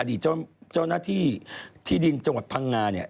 เจ้าหน้าที่ที่ดินจังหวัดพังงาเนี่ย